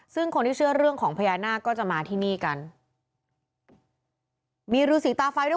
ซึ่งคนที่เชื่อเรื่องของพญานาคก็จะมาที่นี่กันมีรูสีตาไฟด้วย